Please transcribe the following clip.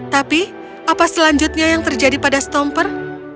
tapi apa selanjutnya yang terjadi pada stomper